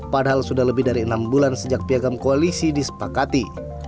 padahal sudah lebih dari enam bulan sejak piagam koalisi disepakati